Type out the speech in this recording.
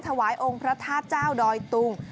ถวายองค์พระธาตุเจ้าดอยตุง